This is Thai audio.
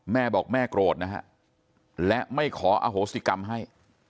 แม่บอกแม่โกรธนะฮะและไม่ขออโหสิกรรมให้